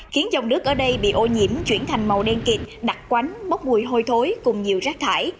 khiến dòng nước ở đây bị ô nhiễm chuyển thành màu đen kịt đặc quánh bốc mùi hôi thối cùng nhiều rác thải